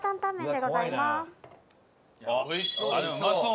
うまそう！